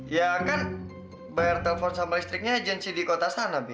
ya kan bayar telepon sama nisriknya agensi di kota sana be